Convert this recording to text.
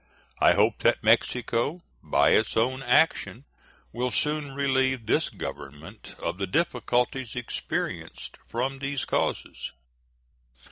I hope that Mexico by its own action will soon relieve this Government of the difficulties experienced from these causes.